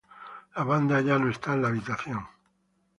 La banda ya no está en la habitación.